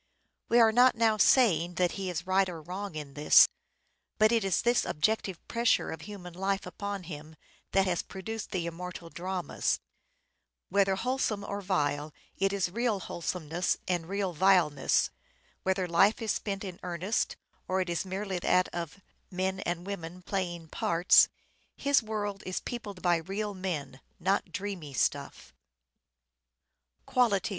We are not now saying that he is right or wrong in this ; but it is this objective pressure of human life upon him that has produced the immortal dramas ; whether wholesome or vile it is real wholesomeness and real vileness ; whether life is spent in earnest, or is merely that of " men and women playing parts," his world is peopled by real men ; not dreamy stuff.